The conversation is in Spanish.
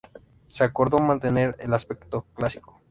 Se acordó mantener el aspecto clásico.